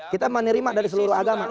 kita menerima dari seluruh agama